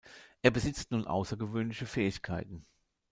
Er besitzt nun außergewöhnliche Fähigkeiten.